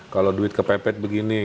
kalau duit kepepet begini